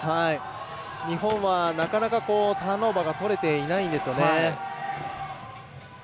日本はなかなかターンオーバーが取れていないんですよね。